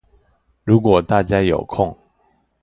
如果大家有空